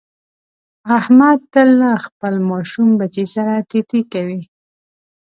احمد تل له خپل ماشوم بچي سره تی تی کوي.